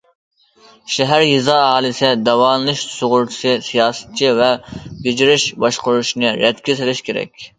شەھەر، يېزا ئاھالىسى داۋالىنىش سۇغۇرتىسى سىياسىتى ۋە بېجىرىش، باشقۇرۇشنى رەتكە سېلىش كېرەك.